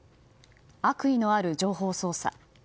悪意のある情報操作。